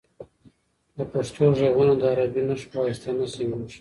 د پښتو غږونه د عربي نښو په واسطه نه سمیږي.